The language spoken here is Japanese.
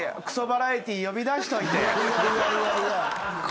バラエティー呼び出しといて。